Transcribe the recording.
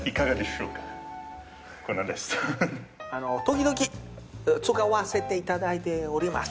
時々使わせていただいております。